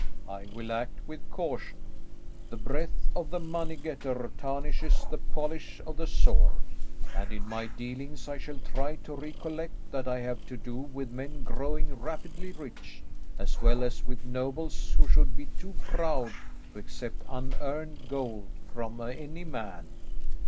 I will act with caution. The breath of the money getter tarnishes the polish of the sword; and in my dealings I shall try to recollect that I have to do with men growing rapidly rich, as well as with nobles who should be too proud to accept unearned gold from any man.